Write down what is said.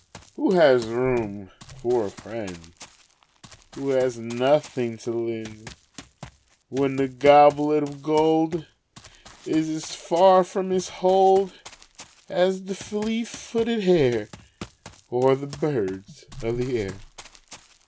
Who has room for a friend Who has nothing to lend, When the goblet of gold Is as far from his hold As the fleet footed hare, Or the birds of the air.